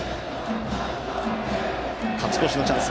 勝ち越しのチャンス